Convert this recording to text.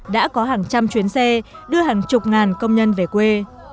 đã có hàng trăm chuyến xe đưa hàng chục ngàn công nhân về quê